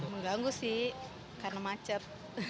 mengganggu sih karena macet